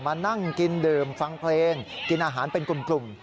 มานั่งกินดื่มฟังเพลงกินอาหารเป็นกลุ่ม